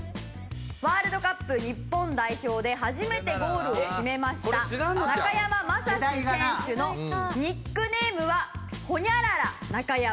「ワールドカップ日本代表で初めてゴールを決めました中山雅史選手のニックネームはホニャララ中山」